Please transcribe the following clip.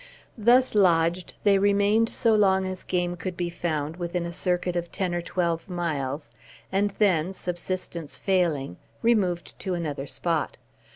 Thus lodged, they remained so long as game could be found within a circuit of ten or twelve miles, and then, subsistence failing, removed to another spot.